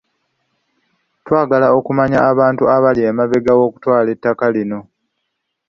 Twagala okumanya abantu abali emabega w'okutwala ettaka lino.